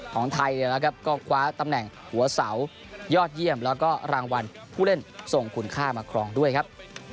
ของไทยนะครับก็คว้าตำแหน่งหัวเสายอดเยี่ยมแล้วก็รางวัลผู้เล่นส่งคุณค่ามาครองด้วยครับ